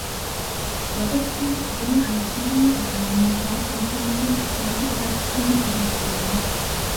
Robertson, Sohn eines Juden und einer Mohawk-Indianerin, lernte bereits früh Gitarre spielen.